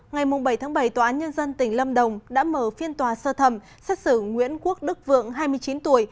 ngày bảy bảy tòa án nhân dân tỉnh lâm đồng đã mở phiên tòa sơ thẩm xét xử nguyễn quốc đức vượng hai mươi chín tuổi